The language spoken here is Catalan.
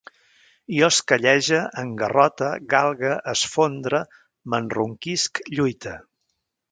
Jo esquellege, engarrote, galgue, esfondre, m'enronquisc, lluite